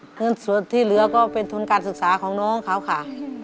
เงินส่วนที่เหลือก็เป็นทุนการศึกษาของน้องเขาค่ะ